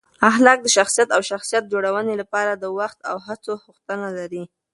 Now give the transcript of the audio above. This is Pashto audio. اخلاق د شخصیت او شخصیت جوړونې لپاره د وخت او هڅو غوښتنه لري.